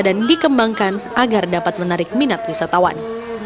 dan dikembangkan agar dapat menarik minat wisatawan